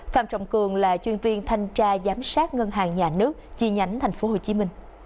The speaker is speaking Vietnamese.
phạm trọng cường là chuyên viên thanh tra giám sát ngân hàng nhà nước chi nhánh tp hcm